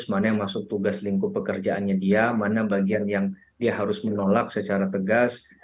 mana yang masuk tugas lingkup pekerjaannya dia mana bagian yang dia harus menolak secara tegas